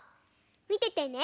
みててね。